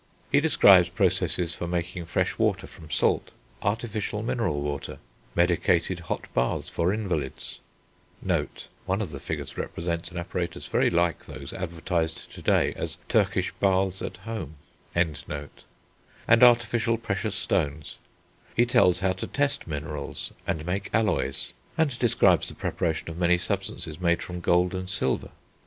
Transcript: He describes processes for making fresh water from salt, artificial mineral water, medicated hot baths for invalids (one of the figures represents an apparatus very like those advertised to day as "Turkish baths at home"), and artificial precious stones; he tells how to test minerals, and make alloys, and describes the preparation of many substances made from gold and silver.